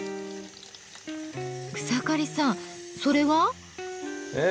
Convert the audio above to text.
草刈さんそれは？え？